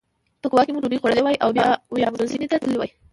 په کووا کې مو ډوډۍ خوړلې وای او بیا ویامنزوني ته تللي وای.